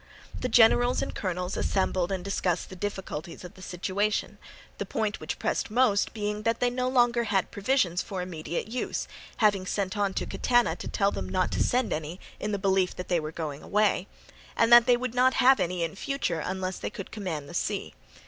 The generals and colonels assembled and discussed the difficulties of the situation; the point which pressed most being that they no longer had provisions for immediate use (having sent on to Catana to tell them not to send any, in the belief that they were going away), and that they would not have any in future unless they could command the sea.